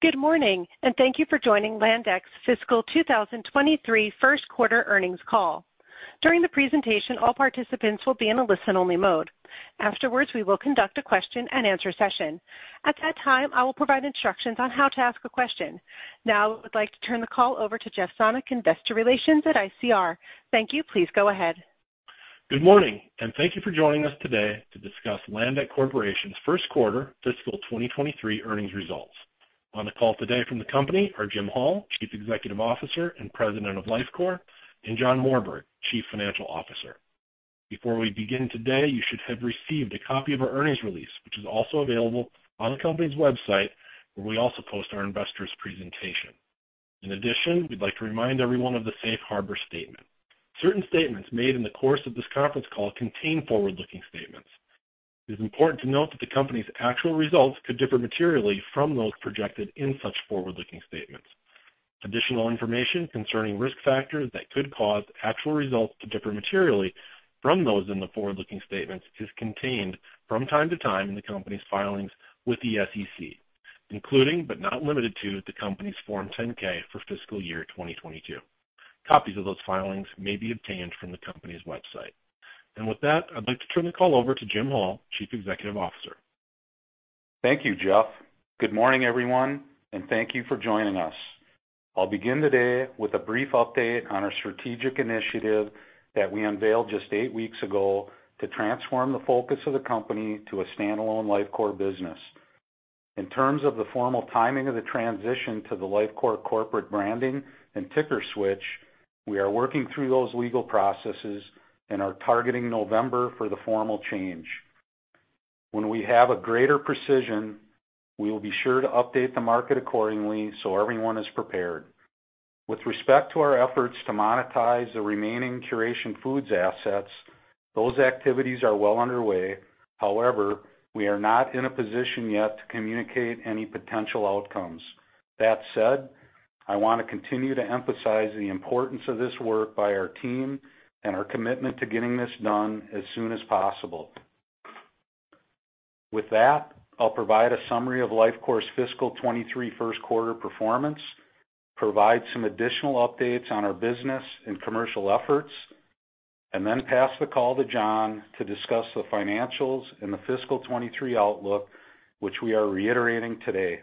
Good morning, and thank you for joining Landec's fiscal 2023 first quarter earnings call. During the presentation, all participants will be in a listen-only mode. Afterwards, we will conduct a question-and-answer session. At that time, I will provide instructions on how to ask a question. Now I would like to turn the call over to Jeff Sonnek, Investor Relations at ICR. Thank you. Please go ahead. Good morning, and thank you for joining us today to discuss Landec Corporation's first quarter fiscal 2023 earnings results. On the call today from the company are Jim Hall, Chief Executive Officer and President of Lifecore, and John Morberg, Chief Financial Officer. Before we begin today, you should have received a copy of our earnings release, which is also available on the company's website, where we also post our investor presentation. In addition, we'd like to remind everyone of the Safe Harbor statement. Certain statements made in the course of this conference call contain forward-looking statements. It is important to note that the company's actual results could differ materially from those projected in such forward-looking statements. Additional information concerning risk factors that could cause actual results to differ materially from those in the forward-looking statements is contained from time to time in the company's filings with the SEC, including, but not limited to, the company's Form 10-K for fiscal year 2022. Copies of those filings may be obtained from the company's website. With that, I'd like to turn the call over to Jim Hall, Chief Executive Officer. Thank you, Jeff. Good morning, everyone, and thank you for joining us. I'll begin today with a brief update on our strategic initiative that we unveiled just eight weeks ago to transform the focus of the company to a standalone Lifecore business. In terms of the formal timing of the transition to the Lifecore corporate branding and ticker switch, we are working through those legal processes and are targeting November for the formal change. When we have a greater precision, we will be sure to update the market accordingly so everyone is prepared. With respect to our efforts to monetize the remaining Curation Foods assets, those activities are well underway. However, we are not in a position yet to communicate any potential outcomes. That said, I want to continue to emphasize the importance of this work by our team and our commitment to getting this done as soon as possible. With that, I'll provide a summary of Lifecore's fiscal 2023 first quarter performance, provide some additional updates on our business and commercial efforts, and then pass the call to John to discuss the financials and the fiscal 2023 outlook, which we are reiterating today.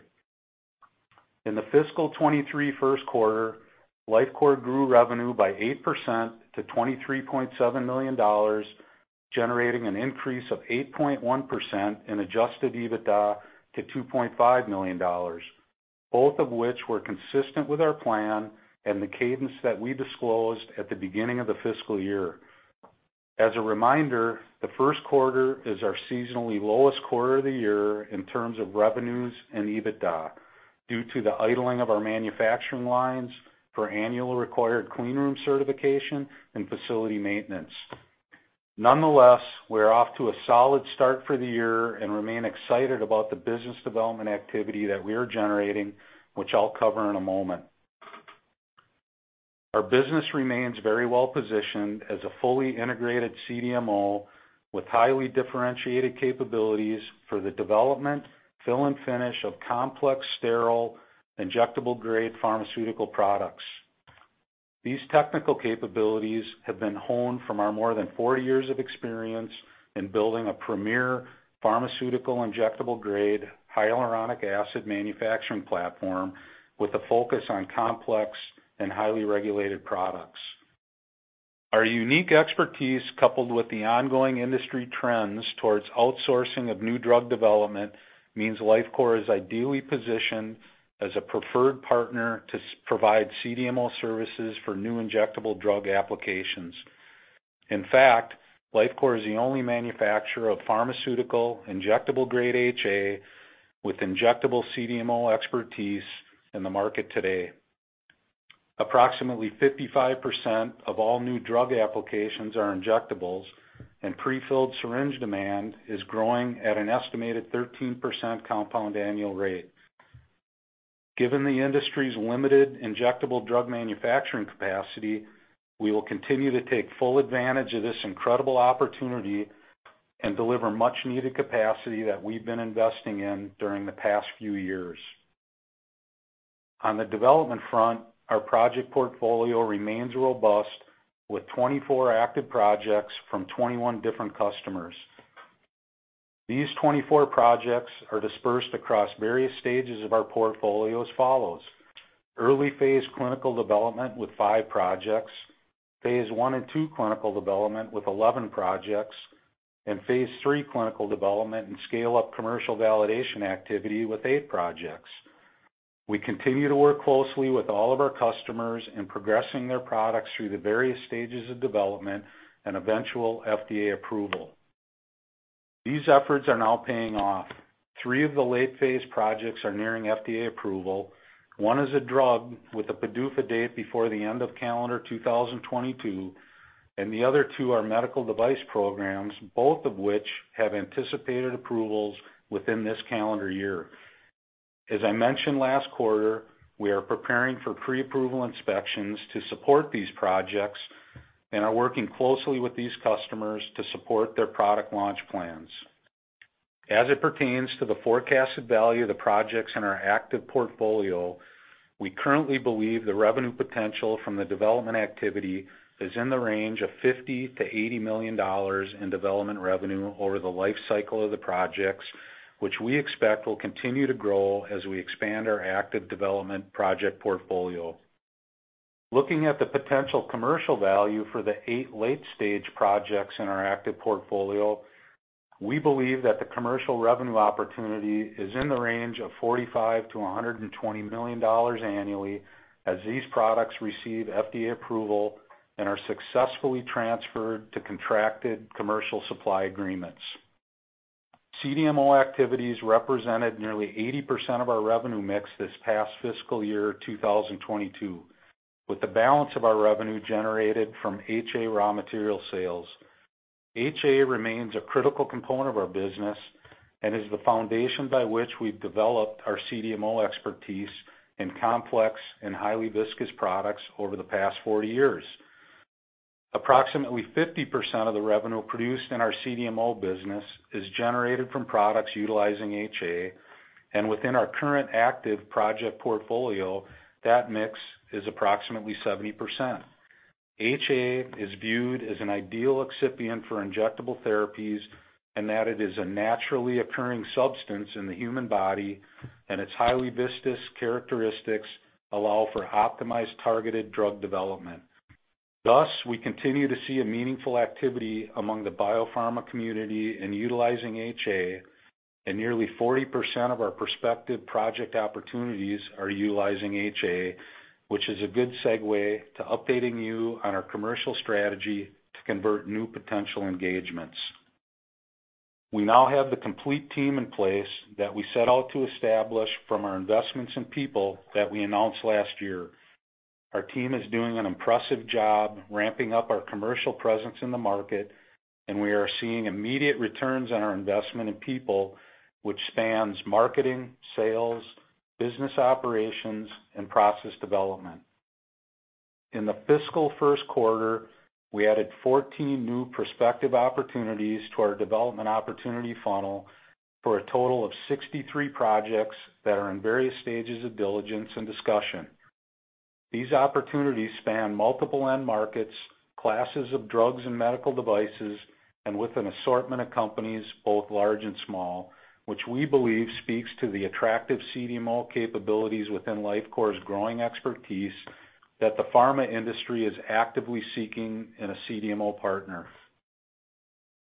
In the fiscal 2023 first quarter, Lifecore grew revenue by 8% to $23.7 million, generating an increase of 8.1% in Adjusted EBITDA to $2.5 million, both of which were consistent with our plan and the cadence that we disclosed at the beginning of the fiscal year. As a reminder, the first quarter is our seasonally lowest quarter of the year in terms of revenues and EBITDA due to the idling of our manufacturing lines for annual required clean room certification and facility maintenance. Nonetheless, we're off to a solid start for the year and remain excited about the business development activity that we are generating, which I'll cover in a moment. Our business remains very well-positioned as a fully integrated CDMO with highly differentiated capabilities for the development, fill and finish of complex, sterile, injectable-grade pharmaceutical products. These technical capabilities have been honed from our more than 40 years of experience in building a premier pharmaceutical injectable-grade hyaluronic acid manufacturing platform with a focus on complex and highly regulated products. Our unique expertise, coupled with the ongoing industry trends towards outsourcing of new drug development, means Lifecore is ideally positioned as a preferred partner to provide CDMO services for new injectable drug applications. In fact, Lifecore is the only manufacturer of pharmaceutical injectable-grade HA with injectable CDMO expertise in the market today. Approximately 55% of all new drug applications are injectables, and prefilled syringe demand is growing at an estimated 13% compound annual rate. Given the industry's limited injectable drug manufacturing capacity, we will continue to take full advantage of this incredible opportunity and deliver much-needed capacity that we've been investing in during the past few years. On the development front, our project portfolio remains robust with 24 active projects from 21 different customers. These 24 projects are dispersed across various stages of our portfolio as follows. Early phase clinical development with five projects, Phase 1 and 2 clinical development with 11 projects, and Phase 3 clinical development and scale-up commercial validation activity with eight projects. We continue to work closely with all of our customers in progressing their products through the various stages of development and eventual FDA approval. These efforts are now paying off. Three of the late-phase projects are nearing FDA approval. One is a drug with a PDUFA date before the end of calendar 2022, and the other two are medical device programs, both of which have anticipated approvals within this calendar year. As I mentioned last quarter, we are preparing for pre-approval inspections to support these projects and are working closely with these customers to support their product launch plans. As it pertains to the forecasted value of the projects in our active portfolio, we currently believe the revenue potential from the development activity is in the range of $50 million-$80 million in development revenue over the life cycle of the projects, which we expect will continue to grow as we expand our active development project portfolio. Looking at the potential commercial value for the eight late-stage projects in our active portfolio, we believe that the commercial revenue opportunity is in the range of $45 million-$120 million annually as these products receive FDA approval and are successfully transferred to contracted commercial supply agreements. CDMO activities represented nearly 80% of our revenue mix this past fiscal year, 2022, with the balance of our revenue generated from HA raw material sales. HA remains a critical component of our business and is the foundation by which we've developed our CDMO expertise in complex and highly viscous products over the past 40 years. Approximately 50% of the revenue produced in our CDMO business is generated from products utilizing HA, and within our current active project portfolio, that mix is approximately 70%. HA is viewed as an ideal excipient for injectable therapies in that it is a naturally occurring substance in the human body, and its highly viscous characteristics allow for optimized targeted drug development. Thus, we continue to see a meaningful activity among the biopharma community in utilizing HA, and nearly 40% of our prospective project opportunities are utilizing HA, which is a good segue to updating you on our commercial strategy to convert new potential engagements. We now have the complete team in place that we set out to establish from our investments in people that we announced last year. Our team is doing an impressive job ramping up our commercial presence in the market, and we are seeing immediate returns on our investment in people, which spans marketing, sales, business operations, and process development. In the fiscal first quarter, we added 14 new prospective opportunities to our development opportunity funnel for a total of 63 projects that are in various stages of diligence and discussion. These opportunities span multiple end markets, classes of drugs and medical devices, and with an assortment of companies, both large and small, which we believe speaks to the attractive CDMO capabilities within Lifecore's growing expertise that the pharma industry is actively seeking in a CDMO partner.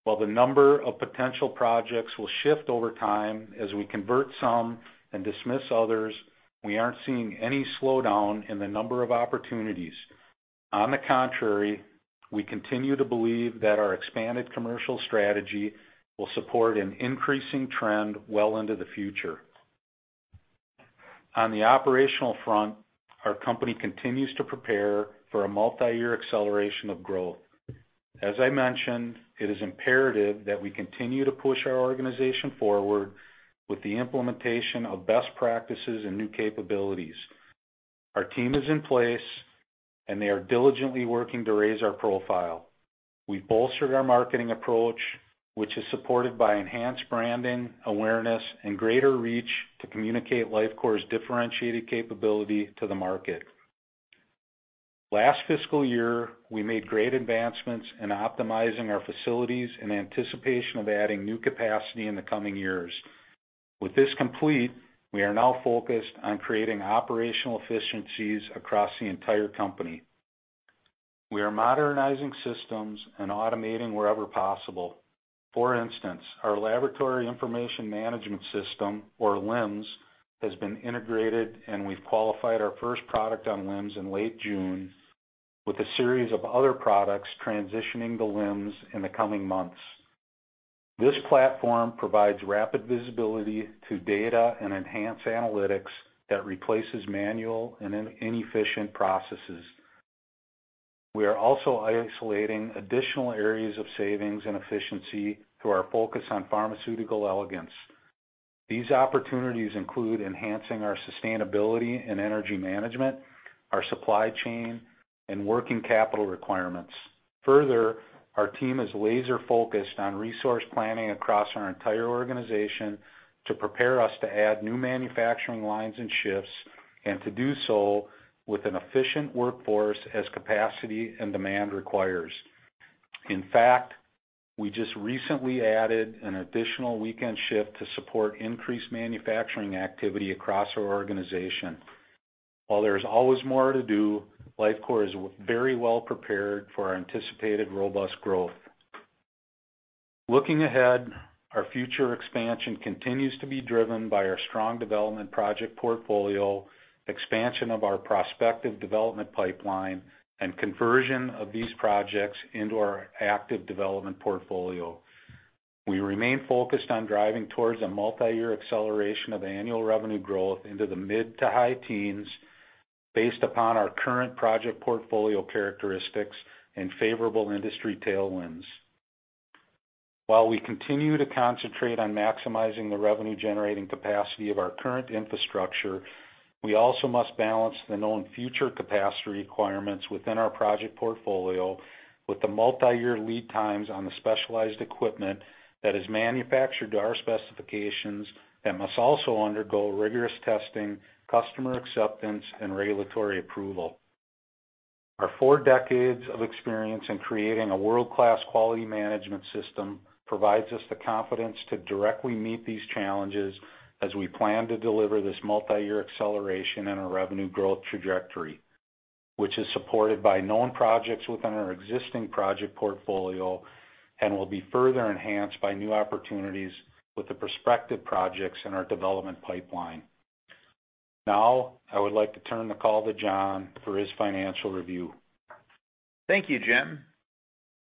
While the number of potential projects will shift over time as we convert some and dismiss others, we aren't seeing any slowdown in the number of opportunities. On the contrary, we continue to believe that our expanded commercial strategy will support an increasing trend well into the future. On the operational front, our company continues to prepare for a multi-year acceleration of growth. As I mentioned, it is imperative that we continue to push our organization forward with the implementation of best practices and new capabilities. Our team is in place, and they are diligently working to raise our profile. We've bolstered our marketing approach, which is supported by enhanced branding, awareness, and greater reach to communicate Lifecore's differentiated capability to the market. Last fiscal year, we made great advancements in optimizing our facilities in anticipation of adding new capacity in the coming years. With this complete, we are now focused on creating operational efficiencies across the entire company. We are modernizing systems and automating wherever possible. For instance, our Laboratory Information Management System, or LIMS, has been integrated, and we've qualified our first product on LIMS in late June, with a series of other products transitioning to LIMS in the coming months. This platform provides rapid visibility to data and enhanced analytics that replaces manual and inefficient processes. We are also isolating additional areas of savings and efficiency through our focus on pharmaceutical elegance. These opportunities include enhancing our sustainability and energy management, our supply chain, and working capital requirements. Further, our team is laser-focused on resource planning across our entire organization to prepare us to add new manufacturing lines and shifts, and to do so with an efficient workforce as capacity and demand requires. In fact, we just recently added an additional weekend shift to support increased manufacturing activity across our organization. While there is always more to do, Lifecore is very well prepared for our anticipated robust growth. Looking ahead, our future expansion continues to be driven by our strong development project portfolio, expansion of our prospective development pipeline, and conversion of these projects into our active development portfolio. We remain focused on driving towards a multi-year acceleration of annual revenue growth into the mid to high teens based upon our current project portfolio characteristics and favorable industry tailwinds. While we continue to concentrate on maximizing the revenue-generating capacity of our current infrastructure, we also must balance the known future capacity requirements within our project portfolio with the multi-year lead times on the specialized equipment that is manufactured to our specifications and must also undergo rigorous testing, customer acceptance and regulatory approval. Our four decades of experience in creating a world-class quality management system provides us the confidence to directly meet these challenges as we plan to deliver this multi-year acceleration in our revenue growth trajectory, which is supported by known projects within our existing project portfolio and will be further enhanced by new opportunities with the prospective projects in our development pipeline. Now, I would like to turn the call to John for his financial review. Thank you, Jim.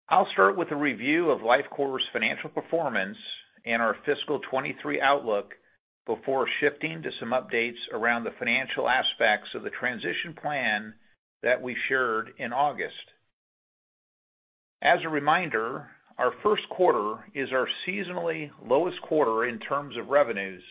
I'll start with a review of Lifecore's financial performance and our fiscal 2023 outlook before shifting to some updates around the financial aspects of the transition plan that we shared in August. Our first quarter is our seasonally lowest quarter in terms of revenues.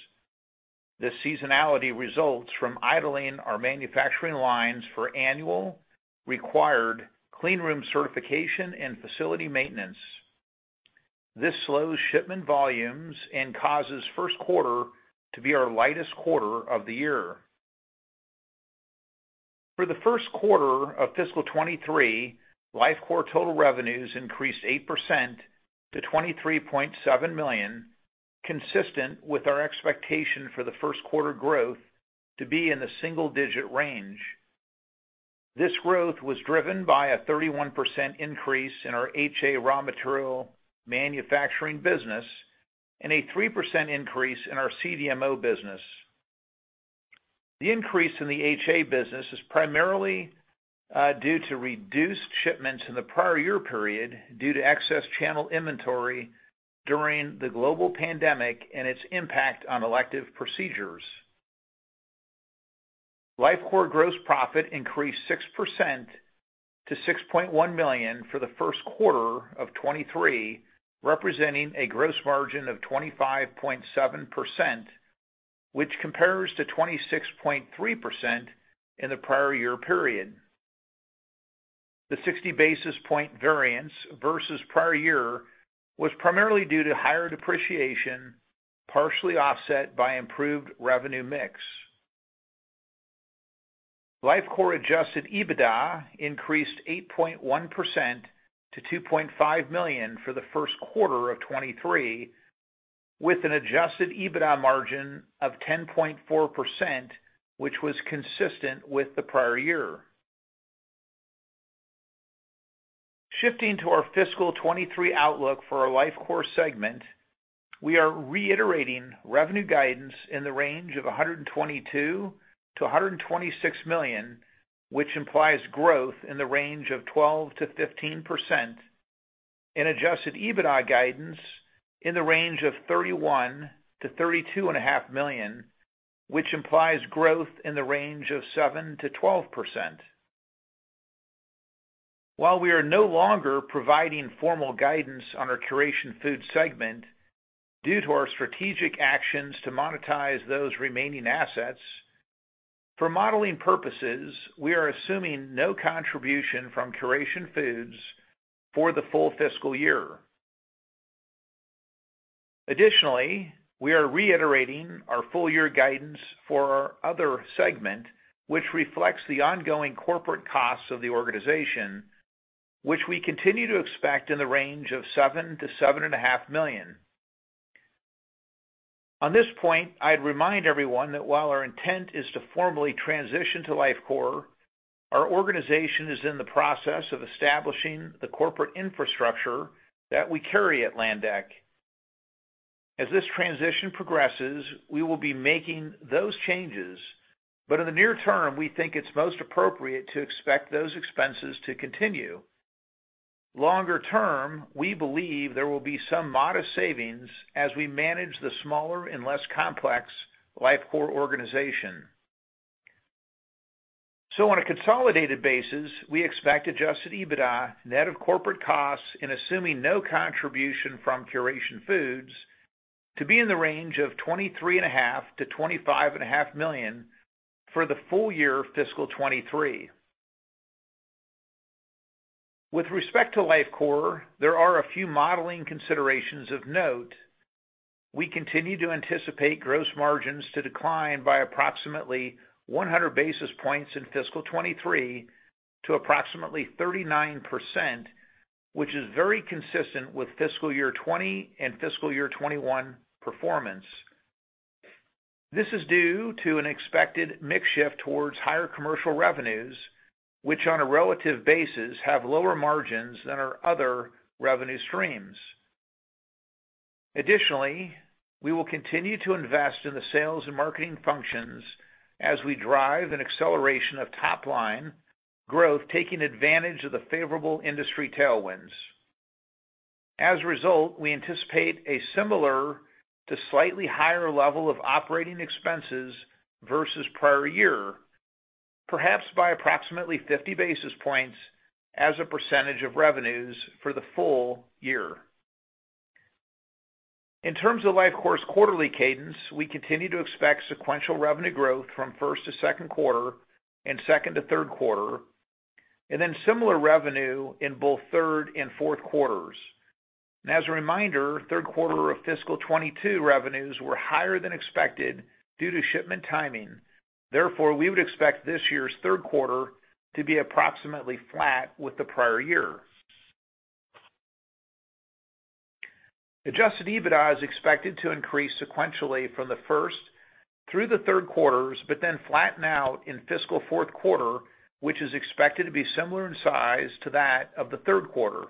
This seasonality results from idling our manufacturing lines for annual required clean room certification and facility maintenance. This slows shipment volumes and causes first quarter to be our lightest quarter of the year. For the first quarter of fiscal 2023, Lifecore total revenues increased 8% to $23.7 million, consistent with our expectation for the first quarter growth to be in the single-digit range. This growth was driven by a 31% increase in our HA raw material manufacturing business and a 3% increase in our CDMO business. The increase in the HA business is primarily due to reduced shipments in the prior year period due to excess channel inventory during the global pandemic and its impact on elective procedures. Lifecore gross profit increased 6% to $6.1 million for the first quarter of 2023, representing a gross margin of 25.7%, which compares to 26.3% in the prior year period. The 60 basis point variance versus prior year was primarily due to higher depreciation, partially offset by improved revenue mix. Lifecore Adjusted EBITDA increased 8.1% to $2.5 million for the first quarter of 2023, with an Adjusted EBITDA margin of 10.4%, which was consistent with the prior year. Shifting to our fiscal 2023 outlook for our Lifecore segment, we are reiterating revenue guidance in the range of $122 million-$126 million, which implies growth in the range of 12%-15%, and Adjusted EBITDA guidance in the range of $31 million-$32.5 million, which implies growth in the range of 7%-12%. While we are no longer providing formal guidance on our Curation Foods segment due to our strategic actions to monetize those remaining assets, for modeling purposes, we are assuming no contribution from Curation Foods for the full fiscal year. Additionally, we are reiterating our full year guidance for our other segment, which reflects the ongoing corporate costs of the organization, which we continue to expect in the range of $7 million-$7.5 million. On this point, I'd remind everyone that while our intent is to formally transition to Lifecore, our organization is in the process of establishing the corporate infrastructure that we carry at Landec. As this transition progresses, we will be making those changes. In the near term, we think it's most appropriate to expect those expenses to continue. Longer term, we believe there will be some modest savings as we manage the smaller and less complex Lifecore organization. On a consolidated basis, we expect Adjusted EBITDA net of corporate costs and assuming no contribution from Curation Foods, to be in the range of $23.5 million-$25.5 million for the full year fiscal 2023. With respect to Lifecore, there are a few modeling considerations of note. We continue to anticipate gross margins to decline by approximately 100 basis points in fiscal 2023 to approximately 39%, which is very consistent with fiscal year 2020 and fiscal year 2021 performance. This is due to an expected mix shift towards higher commercial revenues, which on a relative basis, have lower margins than our other revenue streams. Additionally, we will continue to invest in the sales and marketing functions as we drive an acceleration of top line growth, taking advantage of the favorable industry tailwinds. As a result, we anticipate a similar to slightly higher level of operating expenses versus prior year. Perhaps by approximately 50 basis points as a percentage of revenues for the full year. In terms of Lifecore's quarterly cadence, we continue to expect sequential revenue growth from first to second quarter and second to third quarter, and then similar revenue in both third and fourth quarters. As a reminder, third quarter of fiscal 2022 revenues were higher than expected due to shipment timing. Therefore, we would expect this year's third quarter to be approximately flat with the prior year. Adjusted EBITDA is expected to increase sequentially from the first through the third quarters, but then flatten out in fiscal fourth quarter, which is expected to be similar in size to that of the third quarter.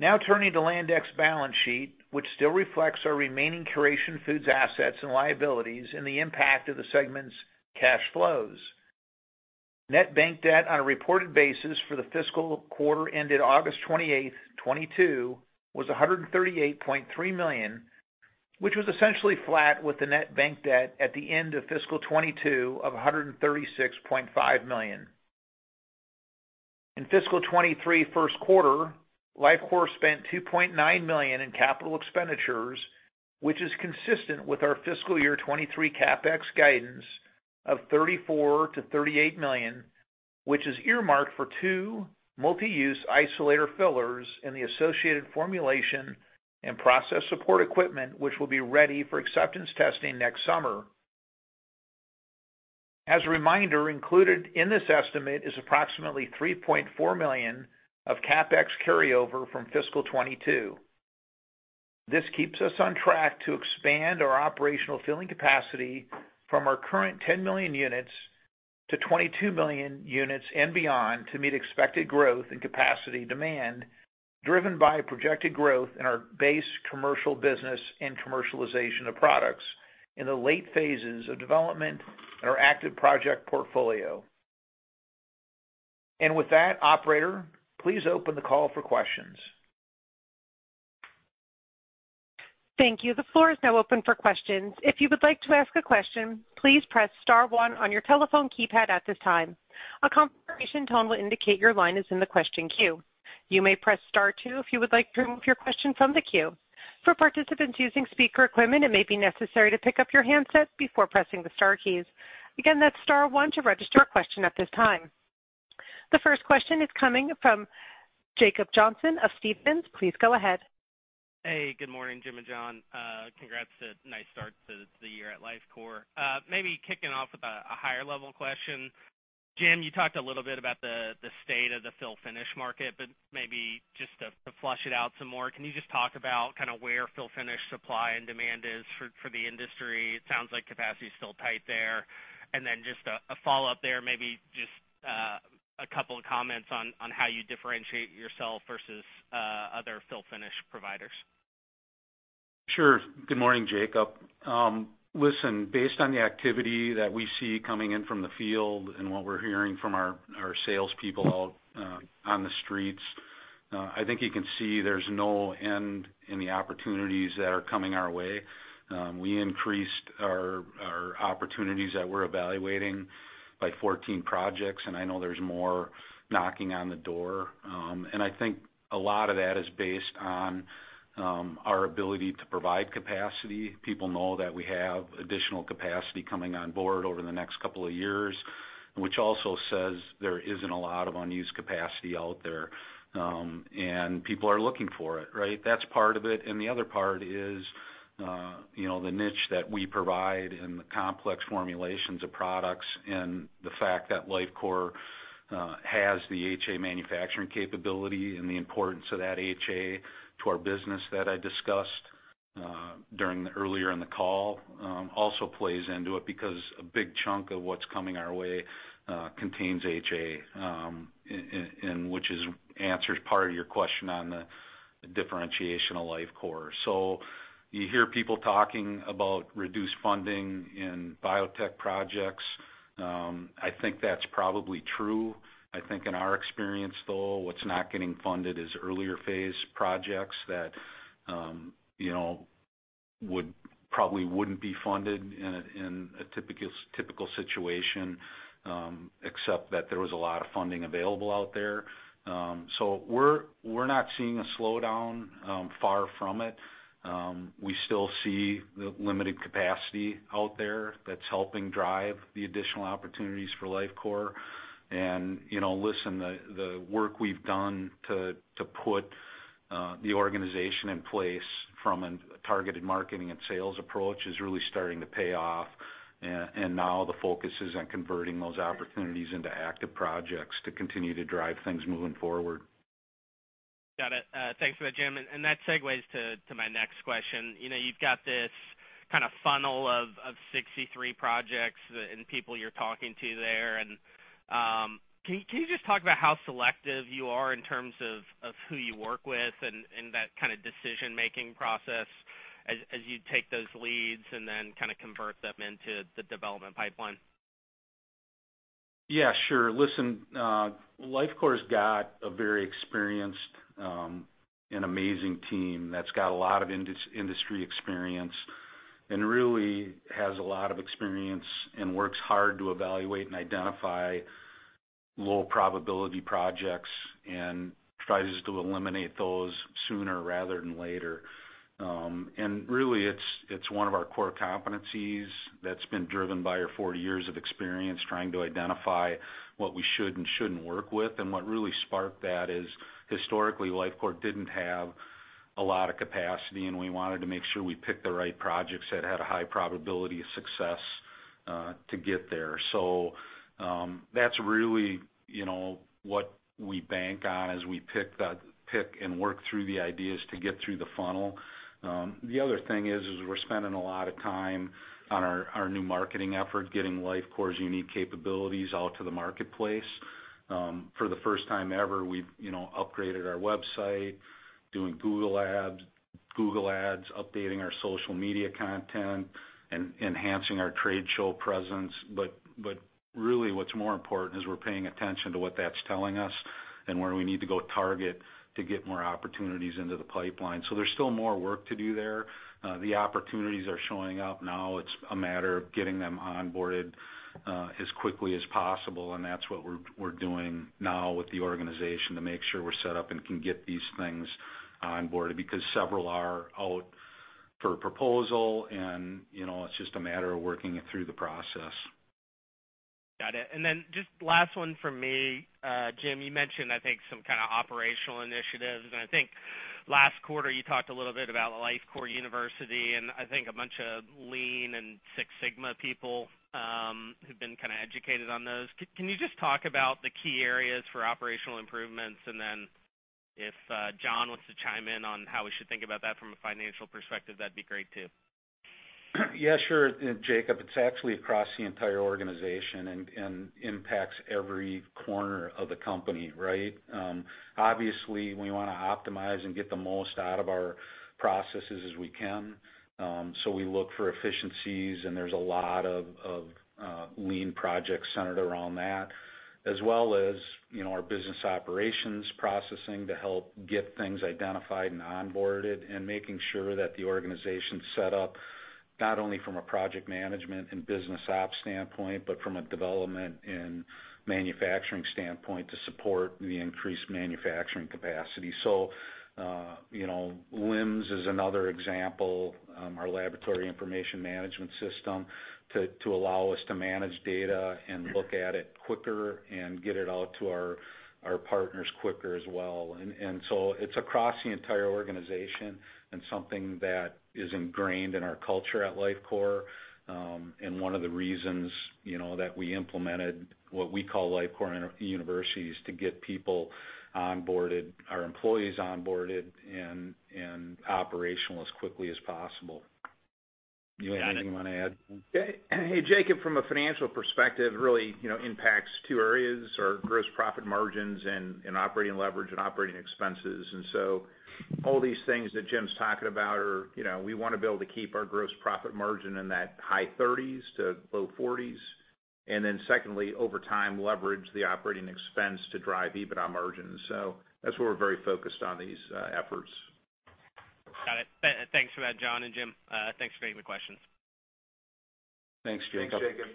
Now turning to Landec balance sheet, which still reflects our remaining Curation Foods assets and liabilities, and the impact of the segment's cash flows. Net bank debt on a reported basis for the fiscal quarter ended August 28, 2022 was $138.3 million, which was essentially flat with the net bank debt at the end of fiscal 2022 of $136.5 million. In fiscal 2023 first quarter, Lifecore spent $2.9 million in capital expenditures, which is consistent with our fiscal year 2023 CapEx guidance of $34 million-$38 million, which is earmarked for two multi-use isolator fillers in the associated formulation and process support equipment, which will be ready for acceptance testing next summer. As a reminder, included in this estimate is approximately $3.4 million of CapEx carryover from fiscal 2022. This keeps us on track to expand our operational filling capacity from our current 10 million units to 22 million units and beyond to meet expected growth and capacity demand, driven by projected growth in our base commercial business and commercialization of products in the late phases of development in our active project portfolio. With that operator, please open the call for questions. Thank you. The floor is now open for questions. If you would like to ask a question, please press star one on your telephone keypad at this time. A confirmation tone will indicate your line is in the question queue. You may press star two if you would like to remove your question from the queue. For participants using speaker equipment, it may be necessary to pick up your handset before pressing the star keys. Again, that's star one to register a question at this time. The first question is coming from Jacob Johnson of Stephens. Please go ahead. Hey, good morning, Jim and John. Congrats on a nice start to the year at Lifecore. Maybe kicking off with a higher-level question. Jim, you talked a little bit about the state of the fill finish market, but maybe just to flesh it out some more, can you just talk about kinda where fill finish supply and demand is for the industry? It sounds like capacity is still tight there. Just a follow-up there, maybe just a couple of comments on how you differentiate yourself versus other fill finish providers. Sure. Good morning, Jacob. Listen, based on the activity that we see coming in from the field and what we're hearing from our sales people out on the streets, I think you can see there's no end in the opportunities that are coming our way. We increased our opportunities that we're evaluating by 14 projects, and I know there's more knocking on the door. I think a lot of that is based on our ability to provide capacity. People know that we have additional capacity coming on board over the next couple of years, which also says there isn't a lot of unused capacity out there. People are looking for it, right? That's part of it. The other part is, you know, the niche that we provide and the complex formulations of products and the fact that Lifecore has the HA manufacturing capability and the importance of that HA to our business that I discussed earlier in the call also plays into it because a big chunk of what's coming our way contains HA and which answers part of your question on the differentiation of Lifecore. You hear people talking about reduced funding in biotech projects. I think that's probably true. I think in our experience though, what's not getting funded is earlier phase projects that you know would probably wouldn't be funded in a typical situation except that there was a lot of funding available out there. We're not seeing a slowdown. Far from it. We still see the limited capacity out there that's helping drive the additional opportunities for Lifecore. You know, listen, the work we've done to put the organization in place from a targeted marketing and sales approach is really starting to pay off. And now the focus is on converting those opportunities into active projects to continue to drive things moving forward. Got it. Thanks for that, Jim. That segues to my next question. You know, you've got this kinda funnel of 63 projects and people you're talking to there. Can you just talk about how selective you are in terms of who you work with and that kinda decision-making process as you take those leads and then kinda convert them into the development pipeline? Yeah, sure. Listen, Lifecore's got a very experienced, and amazing team that's got a lot of industry experience, and really has a lot of experience and works hard to evaluate and identify low probability projects and tries to eliminate those sooner rather than later. Really, it's one of our core competencies that's been driven by our 40 years of experience trying to identify what we should and shouldn't work with. What really sparked that is, historically, Lifecore didn't have a lot of capacity, and we wanted to make sure we picked the right projects that had a high probability of success, to get there. That's really, you know, what we bank on as we pick and work through the ideas to get through the funnel. The other thing is we're spending a lot of time on our new marketing effort, getting Lifecore's unique capabilities out to the marketplace. For the first time ever, we've, you know, upgraded our website, doing Google ads, updating our social media content, enhancing our trade show presence. Really what's more important is we're paying attention to what that's telling us and where we need to go target to get more opportunities into the pipeline. There's still more work to do there. The opportunities are showing up now. It's a matter of getting them onboarded as quickly as possible, and that's what we're doing now with the organization to make sure we're set up and can get these things onboarded. Because several are out for proposal and, you know, it's just a matter of working it through the process. Got it. Just last one from me. Jim, you mentioned, I think, some kinda operational initiatives. I think last quarter you talked a little bit about Lifecore University and I think a bunch of Lean and Six Sigma people who've been kinda educated on those. Can you just talk about the key areas for operational improvements? If John wants to chime in on how we should think about that from a financial perspective, that'd be great too. Yeah, sure, Jacob. It's actually across the entire organization and impacts every corner of the company, right? Obviously we wanna optimize and get the most out of our processes as we can. We look for efficiencies, and there's a lot of lean projects centered around that. As well as, you know, our business operations processing to help get things identified and onboarded, and making sure that the organization's set up not only from a project management and business op standpoint, but from a development and manufacturing standpoint to support the increased manufacturing capacity. LIMS is another example, our laboratory information management system, to allow us to manage data and look at it quicker and get it out to our partners quicker as well. It's across the entire organization and something that is ingrained in our culture at Lifecore. One of the reasons, you know, that we implemented what we call Lifecore University is to get people onboarded, our employees onboarded and operational as quickly as possible. You have anything you wanna add? Hey, Jacob, from a financial perspective, really, you know, impacts two areas, our gross profit margins and operating leverage and operating expenses. All these things that Jim's talking about are, you know, we wanna be able to keep our gross profit margin in that high 30s%-low 40s%. Secondly, over time, leverage the operating expense to drive EBITDA margins. That's where we're very focused on these efforts. Got it. Thanks for that, John and Jim. Thanks for taking the questions. Thanks, Jacob. Thanks, Jacob.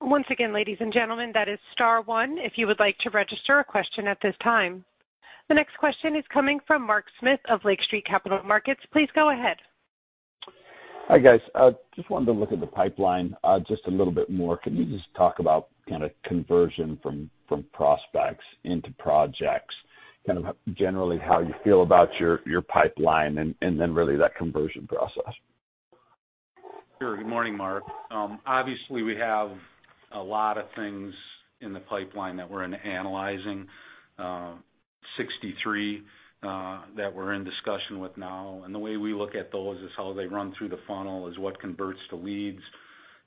Once again, ladies and gentlemen, that is star one if you would like to register a question at this time. The next question is coming from Mark Smith of Lake Street Capital Markets. Please go ahead. Hi, guys. Just wanted to look at the pipeline, just a little bit more. Can you just talk about kinda conversion from prospects into projects? Kind of generally how you feel about your pipeline and then really that conversion process. Sure. Good morning, Mark. Obviously, we have a lot of things in the pipeline that we're analyzing, 63 that we're in discussion with now. The way we look at those is how they run through the funnel, is what converts to leads.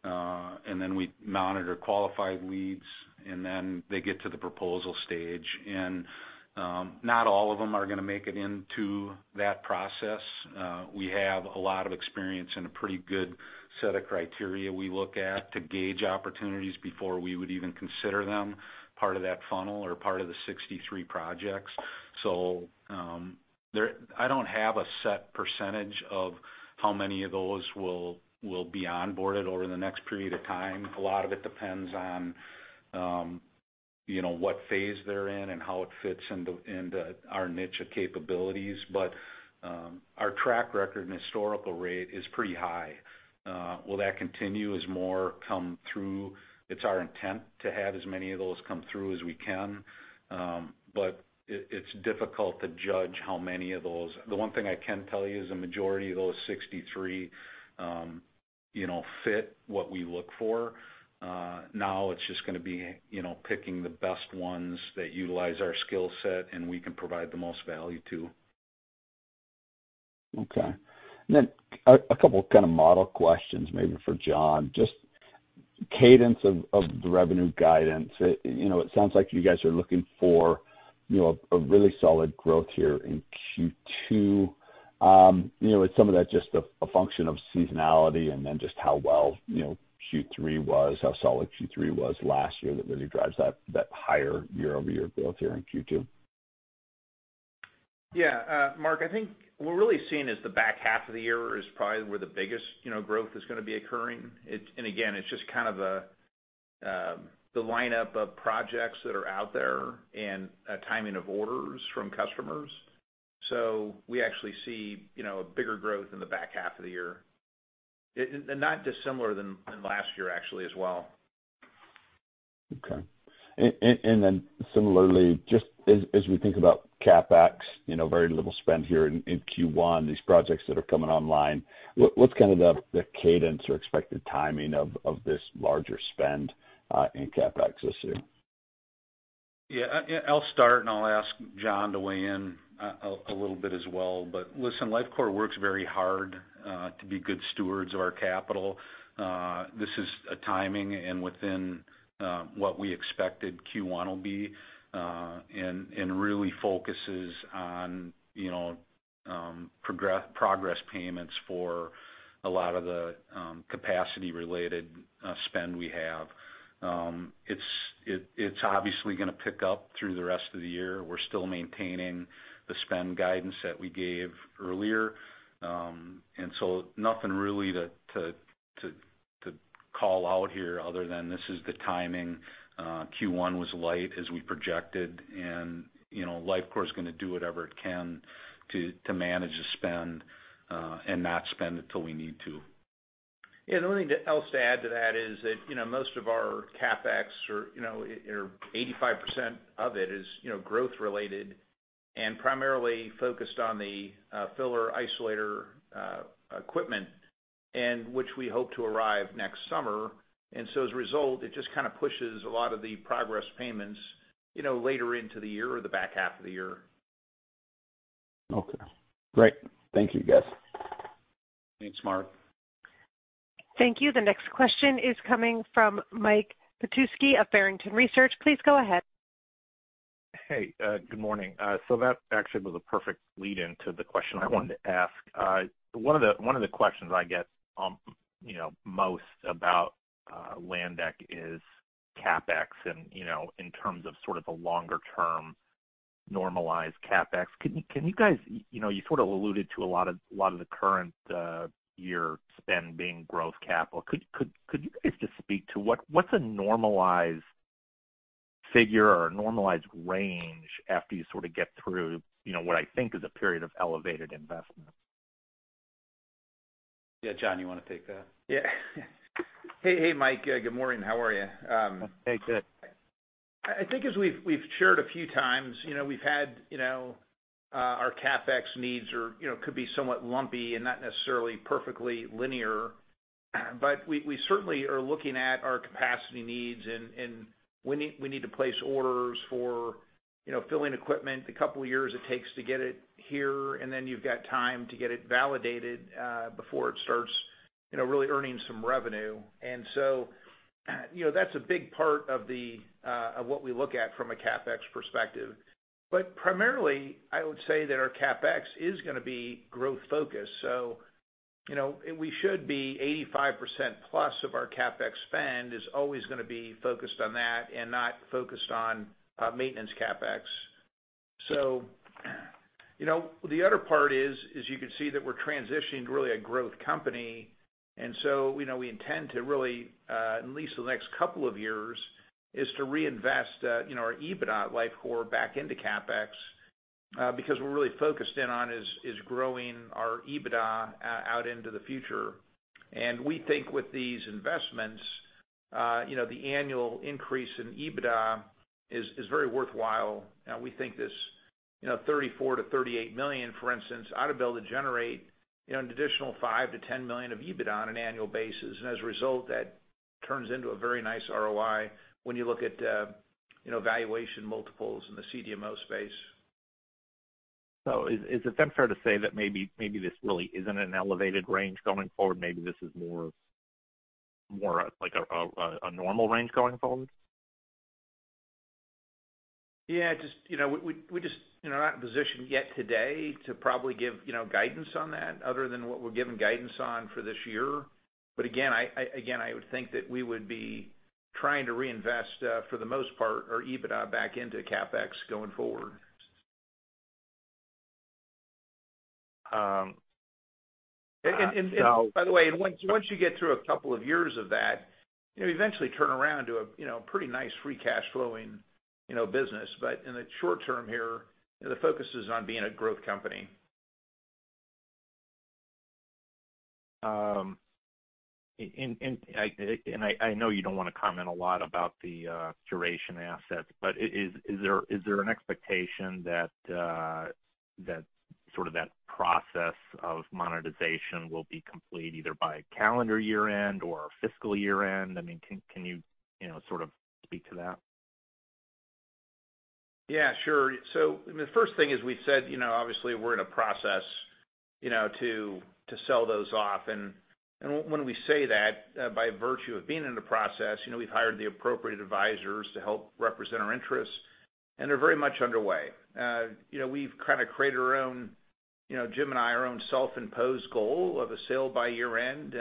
Then we monitor qualified leads, and then they get to the proposal stage. Not all of them are gonna make it into that process. We have a lot of experience and a pretty good set of criteria we look at to gauge opportunities before we would even consider them part of that funnel or part of the 63 projects. I don't have a set percentage of how many of those will be onboarded over the next period of time. A lot of it depends on, you know, what phase they're in and how it fits into our niche of capabilities. Our track record and historical rate is pretty high. Will that continue as more come through? It's our intent to have as many of those come through as we can. It's difficult to judge how many of those. The one thing I can tell you is the majority of those 63, you know, fit what we look for. Now it's just gonna be, you know, picking the best ones that utilize our skill set and we can provide the most value to. Okay. Then a couple kinda model questions maybe for John. Just cadence of the revenue guidance. You know, it sounds like you guys are looking for, you know, a really solid growth here in Q2. You know, is some of that just a function of seasonality and then just how well, you know, Q3 was, how solid Q3 was last year that really drives that higher year-over-year growth here in Q2? Yeah. Mark, I think what we're really seeing is the back half of the year is probably where the biggest, you know, growth is gonna be occurring. Again, it's just kind of a, the lineup of projects that are out there and a timing of orders from customers. We actually see, you know, a bigger growth in the back half of the year. Not dissimilar than last year actually as well. Okay. Similarly, just as we think about CapEx, you know, very little spend here in Q1, these projects that are coming online, what's kind of the cadence or expected timing of this larger spend in CapEx this year? Yeah. I'll start, and I'll ask John to weigh in a little bit as well. Listen, Lifecore works very hard to be good stewards of our capital. This is a timing and within what we expected Q1 will be, and really focuses on, you know, progress payments for a lot of the capacity-related spend we have. It's obviously gonna pick up through the rest of the year. We're still maintaining the spend guidance that we gave earlier. Nothing really to call out here other than this is the timing. Q1 was light as we projected and, you know, Lifecore is gonna do whatever it can to manage the spend and not spend until we need to. Yeah. The only thing else to add to that is that, you know, most of our CapEx, you know, or 85% of it is, you know, growth related and primarily focused on the filler isolator equipment, and which we hope to arrive next summer. As a result, it just kind of pushes a lot of the progress payments, you know, later into the year or the back half of the year. Okay. Great. Thank you, guys. Thanks, Mark. Thank you. The next question is coming from Mike Petusky of Barrington Research. Please go ahead. Hey, good morning. That actually was a perfect lead into the question I wanted to ask. One of the questions I get, you know, most about Landec is CapEx and, you know, in terms of sort of a longer term normalized CapEx. Can you guys. You know, you sort of alluded to a lot of the current year spend being growth capital. Could you guys just speak to what's a normalized figure or a normalized range after you sort of get through, you know, what I think is a period of elevated investment? Yeah. John, you wanna take that? Yeah. Hey, hey, Mike. Good morning. How are you? Hey, good. I think as we've shared a few times, you know, we've had our CapEx needs, you know, could be somewhat lumpy and not necessarily perfectly linear. We certainly are looking at our capacity needs and we need to place orders for, you know, filling equipment. The couple of years it takes to get it here, and then you've got time to get it validated before it starts, you know, really earning some revenue. That's a big part of what we look at from a CapEx perspective. Primarily, I would say that our CapEx is gonna be growth focused. We should be 85%+ of our CapEx spend is always gonna be focused on that and not focused on maintenance CapEx. You know, the other part is you can see that we're transitioning to really a growth company. You know, we intend to really, at least the next couple of years, is to reinvest, you know, our EBITDA at Lifecore back into CapEx, because we're really focused in on is growing our EBITDA out into the future. We think with these investments, you know, the annual increase in EBITDA is very worthwhile. We think this, you know, $34 million-$38 million, for instance, ought to be able to generate, you know, an additional $5 million-$10 million of EBITDA on an annual basis. As a result, that turns into a very nice ROI when you look at, you know, valuation multiples in the CDMO space. Is it then fair to say that maybe this really isn't an elevated range going forward, maybe this is more of like a normal range going forward? Yeah. Just, you know, we just, you know, not in a position yet today to probably give, you know, guidance on that other than what we're giving guidance on for this year. Again, I again would think that we would be trying to reinvest for the most part, our EBITDA back into CapEx going forward. By the way, once you get through a couple of years of that, you know, you eventually turn around to a, you know, pretty nice free cash flowing, you know, business. In the short term here, the focus is on being a growth company. I know you don't wanna comment a lot about the Curation assets, but is there an expectation that sort of process of monetization will be complete either by calendar year-end or fiscal year-end? I mean, can you know, sort of speak to that? Yeah, sure. I mean, the first thing is we said, you know, obviously, we're in a process, you know, to sell those off. When we say that, by virtue of being in the process, you know, we've hired the appropriate advisors to help represent our interests. They're very much underway. You know, we've kinda created our own, you know, Jim and I, our own self-imposed goal of a sale by year-end.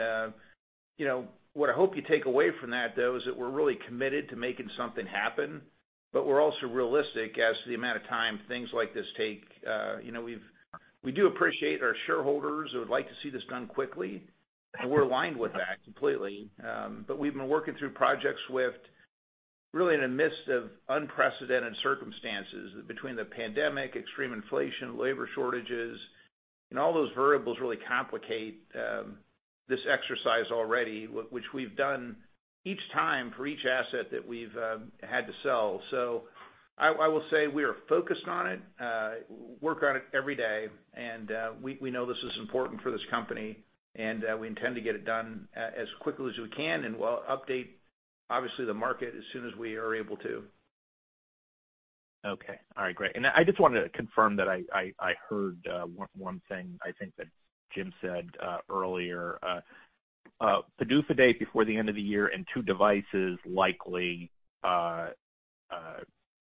You know, what I hope you take away from that though, is that we're really committed to making something happen, but we're also realistic as to the amount of time things like this take. You know, we do appreciate our shareholders who would like to see this done quickly, and we're aligned with that completely. But we've been working through projects really in the midst of unprecedented circumstances between the pandemic, extreme inflation, labor shortages, and all those variables really complicate this exercise already, which we've done each time for each asset that we've had to sell. I will say we are focused on it, work on it every day, and we know this is important for this company and we intend to get it done as quickly as we can, and we'll update obviously the market as soon as we are able to. Okay. All right, great. I just wanted to confirm that I heard one thing I think that Jim said earlier. PDUFA date before the end of the year and two devices likely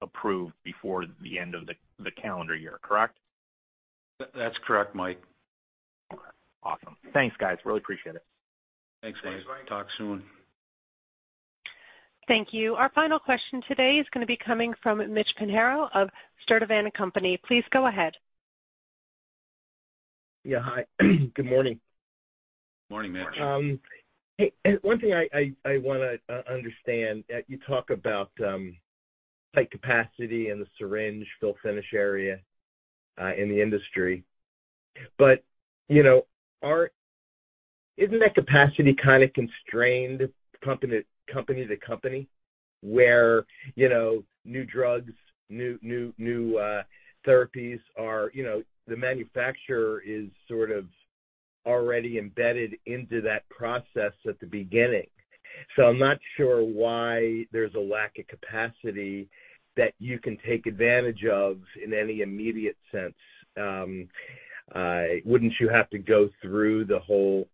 approved before the end of the calendar year, correct? That's correct, Mike. Okay. Awesome. Thanks, guys. Really appreciate it. Thanks, Mike. Talk soon. Thank you. Our final question today is gonna be coming from Mitch Pinheiro of Sturdivant & Company. Please go ahead. Yeah. Hi. Good morning. Morning, Mitch. Hey, one thing I wanna understand, you talk about tight capacity in the syringe fill finish area in the industry. You know, isn't that capacity kinda constrained company to company where, you know, new drugs, new therapies are, you know, the manufacturer is sort of already embedded into that process at the beginning. I'm not sure why there's a lack of capacity that you can take advantage of in any immediate sense. Wouldn't you have to go through the whole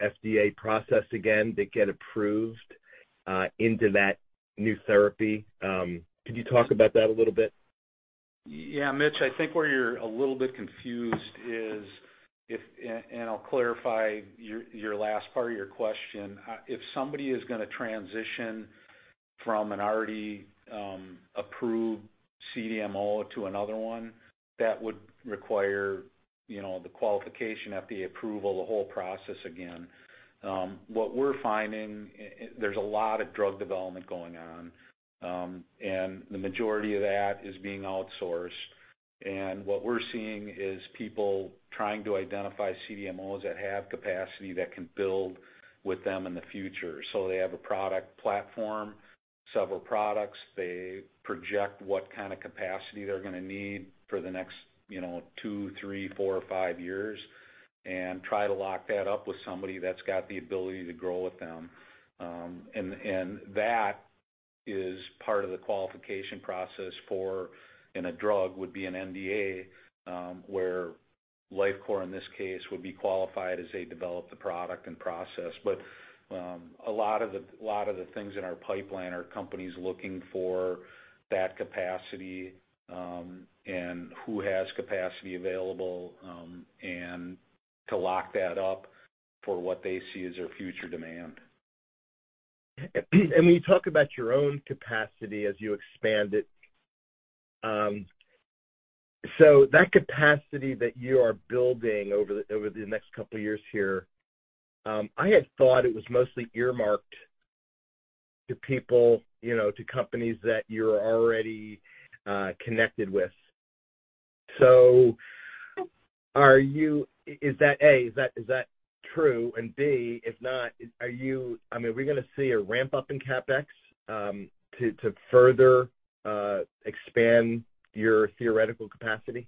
FDA process again to get approved into that new therapy? Could you talk about that a little bit? Yeah, Mitch, I think where you're a little bit confused. I'll clarify your last part of your question. If somebody is gonna transition from an already approved CDMO to another one, that would require, you know, the qualification at the approval, the whole process again. What we're finding, there's a lot of drug development going on, and the majority of that is being outsourced. What we're seeing is people trying to identify CDMOs that have capacity that can build with them in the future. They have a product platform, several products. They project what kind of capacity they're gonna need for the next, you know, two, three, four or five years, and try to lock that up with somebody that's got the ability to grow with them. That is part of the qualification process for a drug would be an NDA, where Lifecore, in this case, would be qualified as they develop the product and process. A lot of the things in our pipeline are companies looking for that capacity, and who has capacity available, and to lock that up for what they see as their future demand. When you talk about your own capacity as you expand it, so that capacity that you are building over the next couple of years here, I had thought it was mostly earmarked to people, you know, to companies that you're already connected with. Is that, A, true? And B, if not, are you, I mean, are we gonna see a ramp-up in CapEx to further expand your theoretical capacity?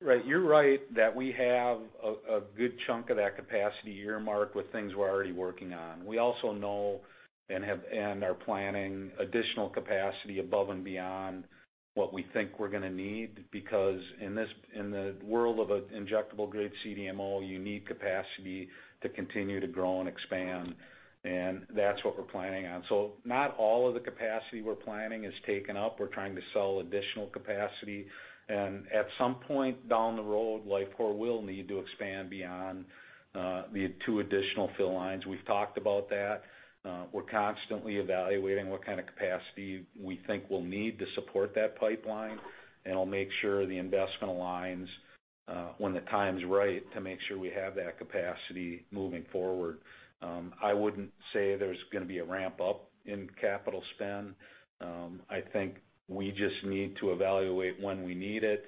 Right. You're right that we have a good chunk of that capacity earmarked with things we're already working on. We also know and are planning additional capacity above and beyond what we think we're gonna need, because in the world of an injectable-grade CDMO, you need capacity to continue to grow and expand, and that's what we're planning on. Not all of the capacity we're planning is taken up. We're trying to sell additional capacity. At some point down the road, Lifecore will need to expand beyond the two additional fill lines. We've talked about that. We're constantly evaluating what kind of capacity we think we'll need to support that pipeline, and we'll make sure the investment aligns when the time is right to make sure we have that capacity moving forward. I wouldn't say there's gonna be a ramp-up in capital spend. I think we just need to evaluate when we need it.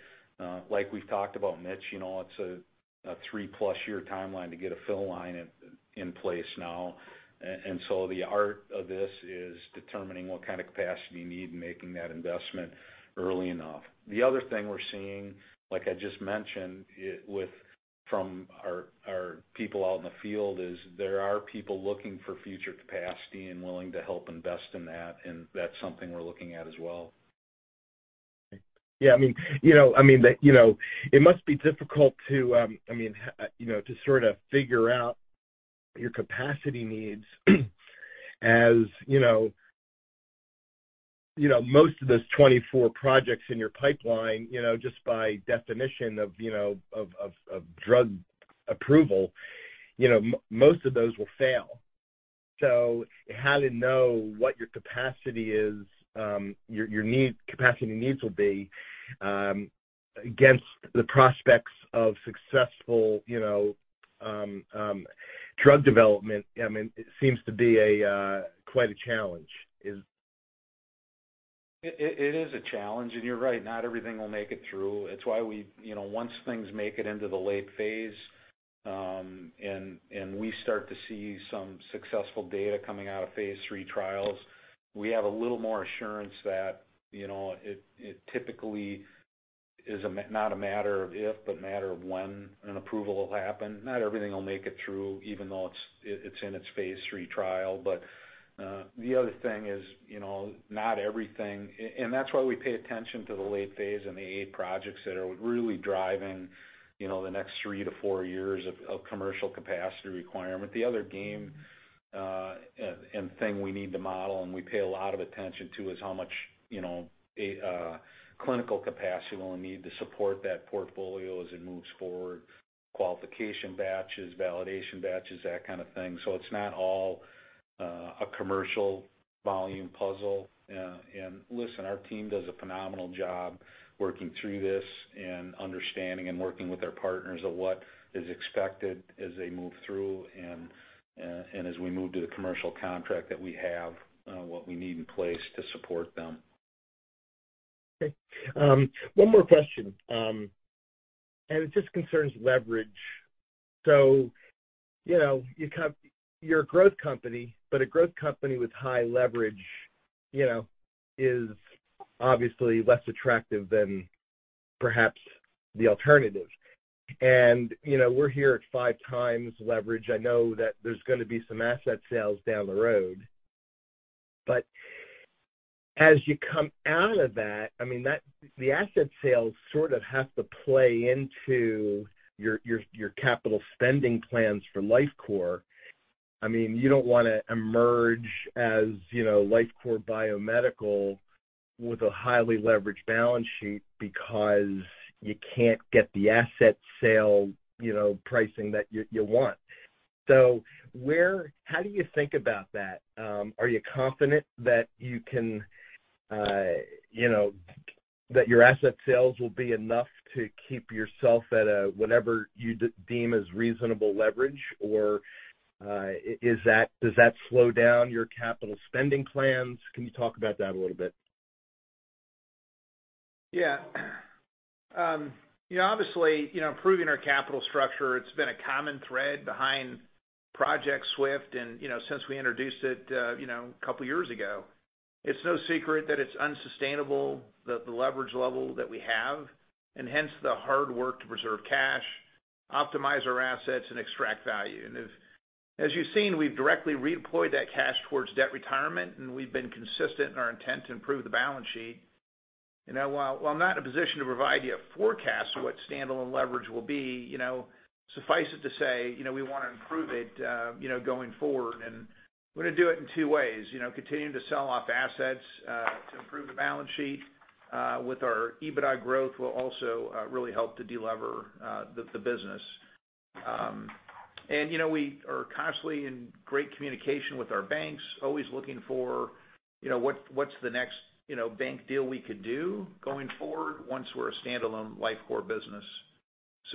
Like we've talked about, Mitch, you know, it's a 3+ year timeline to get a fill line in place now. The art of this is determining what kind of capacity you need and making that investment early enough. The other thing we're seeing, like I just mentioned, from our people out in the field is that there are people looking for future capacity and willing to help invest in that, and that's something we're looking at as well. Yeah. I mean, you know, I mean, you know, it must be difficult to, I mean, you know, to sort of figure out your capacity needs as, you know, most of those 24 projects in your pipeline, you know, just by definition of, you know, of drug approval, you know, most of those will fail. So how to know what your capacity is, your capacity needs will be against the prospects of successful, you know, drug development, I mean, it seems to be quite a challenge. It is a challenge, and you're right, not everything will make it through. It's why we, you know, once things make it into the late phase and we start to see some successful data coming out of phase three trials, we have a little more assurance that, you know, it typically is not a matter of if, but a matter of when an approval will happen. Not everything will make it through, even though it's in its Phase 3 trial. The other thing is, you know, not everything and that's why we pay attention to the late phase and the eight projects that are really driving, you know, the next three to four years of commercial capacity requirement. The other game and thing we need to model, and we pay a lot of attention to, is how much, you know, a clinical capacity we'll need to support that portfolio as it moves forward. Qualification batches, validation batches, that kind of thing. It's not all a commercial volume puzzle. Listen, our team does a phenomenal job working through this and understanding and working with our partners of what is expected as they move through and as we move to the commercial contract that we have, what we need in place to support them. Okay. One more question, and it just concerns leverage. You know, you're a growth company, but a growth company with high leverage, you know, is obviously less attractive than perhaps the alternative. You know, we're here at 5x leverage. I know that there's gonna be some asset sales down the road, but as you come out of that, I mean, the asset sales sort of have to play into your capital spending plans for Lifecore. I mean, you don't wanna emerge as, you know, Lifecore Biomedical with a highly leveraged balance sheet because you can't get the asset sale, you know, pricing that you want. How do you think about that? Are you confident that you can, you know, that your asset sales will be enough to keep yourself at a, whatever you deem as reasonable leverage? Or, does that slow down your capital spending plans? Can you talk about that a little bit? Yeah. You know, obviously, you know, improving our capital structure, it's been a common thread behind Project SWIFT and, you know, since we introduced it, you know, a couple of years ago. It's no secret that it's unsustainable, the leverage level that we have, and hence the hard work to preserve cash, optimize our assets, and extract value. As you've seen, we've directly redeployed that cash towards debt retirement, and we've been consistent in our intent to improve the balance sheet. You know, while I'm not in a position to provide you a forecast of what standalone leverage will be, you know, suffice it to say, you know, we wanna improve it, you know, going forward. We're gonna do it in two ways, you know, continuing to sell off assets to improve the balance sheet with our EBITDA growth will also really help to de-lever the business. You know, we are constantly in great communication with our banks, always looking for, you know, what's the next, you know, bank deal we could do going forward once we're a standalone Lifecore business.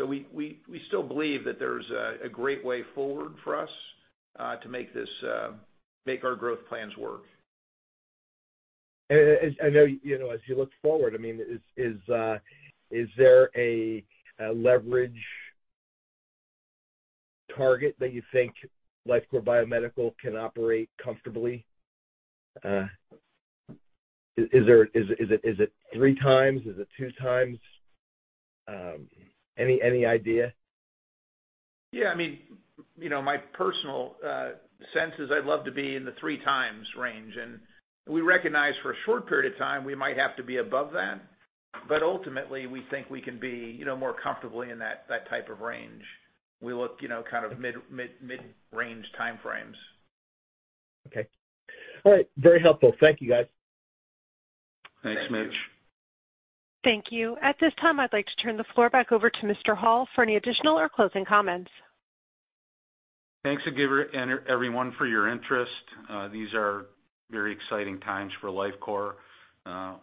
We still believe that there's a great way forward for us to make this make our growth plans work. I know, you know, as you look forward, I mean, is there a leverage target that you think Lifecore Biomedical can operate comfortably? Is it three times? Is it two times? Any idea? I mean, you know, my personal sense is I'd love to be in the 3x range. We recognize for a short period of time, we might have to be above that. Ultimately, we think we can be, you know, more comfortably in that type of range. We look, you know, kind of mid-range timeframes. Okay. All right. Very helpful. Thank you, guys. Thanks, Mitch. Thank you. At this time, I'd like to turn the floor back over to Mr. Hall for any additional or closing comments. Thanks again, everyone for your interest. These are very exciting times for Lifecore.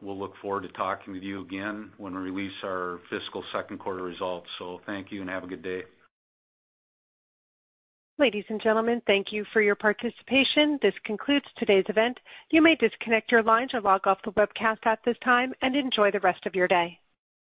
We'll look forward to talking with you again when we release our fiscal second quarter results. Thank you and have a good day. Ladies and gentlemen, thank you for your participation. This concludes today's event. You may disconnect your lines or log off the webcast at this time, and enjoy the rest of your day.